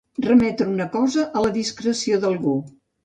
Remetre una cosa a la discreció d'algú.